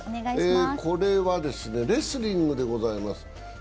これはレスリングでございます。